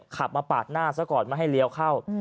ขับมาปาดหน้าซะก่อนไม่ให้เลี้ยวเข้า